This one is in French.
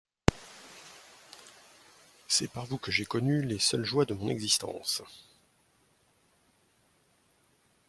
C'est par vous que j'ai connu les seules joies de mon existence.